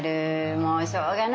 もうしょうがないな。